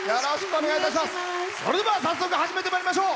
それでは早速、始めてまいりましょう。